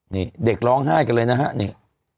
นี่เด็กร้องไห้กันเลยนะฮะนี่